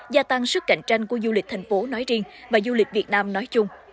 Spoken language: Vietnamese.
gia tăng sức cạnh tranh của du lịch thành phố nói riêng và du lịch việt nam nói chung